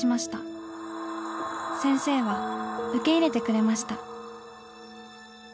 先生は受け入れてくれました」。